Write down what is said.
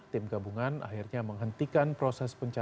tim gabungan akhirnya menghentikan proses pencarian